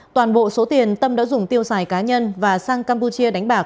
toàn bộ số tiền tâm đã dùng tiêu xài cá nhân và sang campuchia